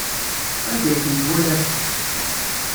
Anda ay tent-twalam?